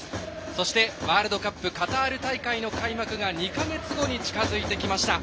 そして、ワールドカップカタール大会の開幕が２か月後に近づいてきました。